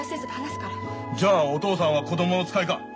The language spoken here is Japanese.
じゃあお父さんは子供の使いか？